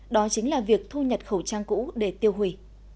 đó chính là việc thu nhập khẩu trang cũ để tiêu hủy